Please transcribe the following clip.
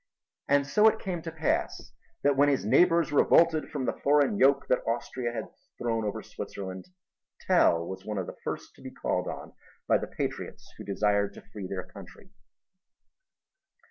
And so it came to pass that when his neighbors revolted from the foreign yoke that Austria had thrown over Switzerland Tell was one of the first to be called on by the patriots who desired to free their country.